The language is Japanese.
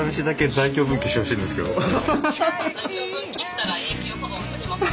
「在京分岐したら永久保存しておきますね」。